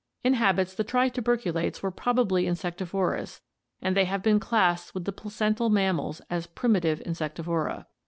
In habits the trituberculates were probably insectivorous and they have been classed with the placental mam mals as primitive Insectivora.